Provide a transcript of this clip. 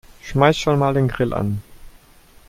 Schmeiß schon mal den Grill an.